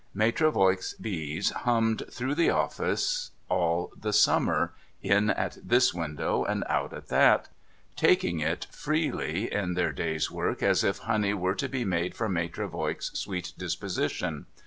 Maitre Voigt's bees hummed through the office all the summer, in at this window and out at that, taking it frequently in their day's work, as if honey were to be made from Maitre Voigt's sweet disposition.